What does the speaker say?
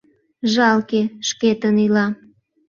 Жалке, шкетын ила.